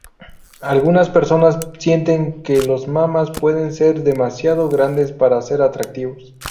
Algunas personas sienten que los mamas pueden ser demasiado grandes para ser atractivos.